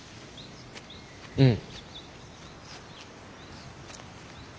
うん。